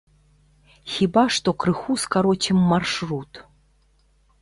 Хіба што крыху скароцім маршрут.